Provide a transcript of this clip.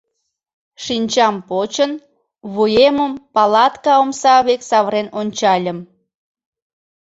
Шинчам почын, вуемым палатка омса век савырен ончальым.